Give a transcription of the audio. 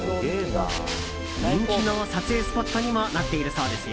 人気の撮影スポットにもなっているそうですよ。